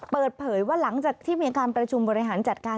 เปิดเผยว่าหลังจากที่มีการประชุมบริหารจัดการ